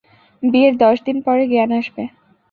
বিয়ের দশ দিন পরে জ্ঞান আসবে।